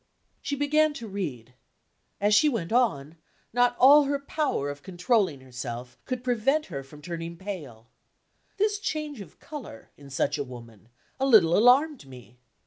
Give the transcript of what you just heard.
She began to read. As she went on, not all her power of controlling herself could prevent her from turning pale. This change of color (in such a woman) a little alarmed me.